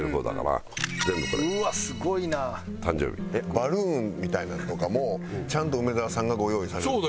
バルーンみたいなのとかもちゃんと梅沢さんがご用意されてるんですか？